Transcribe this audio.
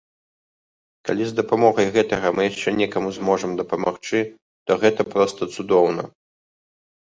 Калі з дапамогай гэтага мы яшчэ некаму зможам дапамагчы, то гэта проста цудоўна!